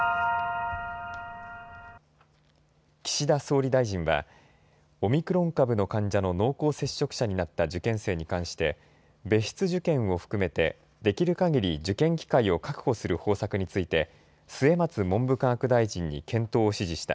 岸田総理大臣はオミクロン株の患者の濃厚接触者になった受験生に関して別室受験を含めてできるかぎり受験機会を確保する方策について末松文部科学大臣に検討を指示した。